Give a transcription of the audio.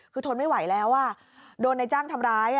คือทนไม่ไหวแล้วโดนในจ้างทำร้าย